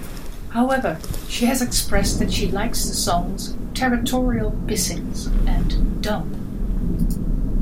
However, she has expressed that she likes the songs "Territorial Pissings" and "Dumb".